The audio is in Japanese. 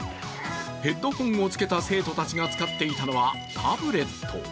ヘッドホンをつけた生徒たちが使っていたのはタブレット。